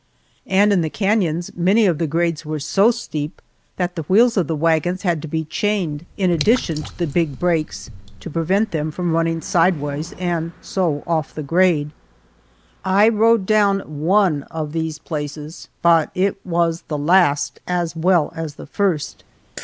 And in the canons many of the grades were so steep that the wheels of the wagons had to be chained in addition to the big brakes to prevent them from running sideways, and so off the grade. I rode down one of these places, but it was the last as well as the first.